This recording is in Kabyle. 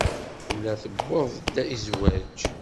Tella tuweḍ-d i zzwaj.